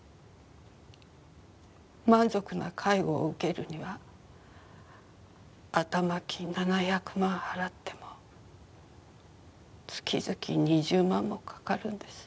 満足な介護を受けるには頭金７００万払っても月々２０万もかかるんです。